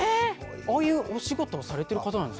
ああいうお仕事をされてる方なんですかね？